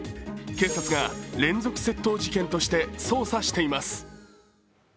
警察が連続窃盗事件として捜査しています。